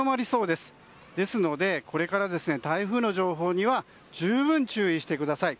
ですのでこれから台風の情報には十分注意してください。